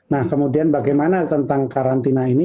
nah kemudian bagaimana tentang karantina ini